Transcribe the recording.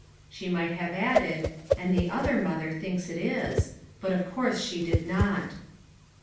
She might have added u And the other mother thinks it is," but of course she did not.